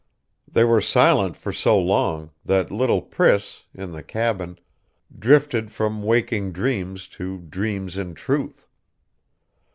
They were silent for so long that little Priss, in the cabin, drifted from waking dreams to dreams in truth.